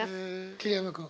桐山君？